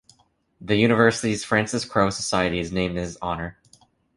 The University's Francis Crowe Society is named in his honor.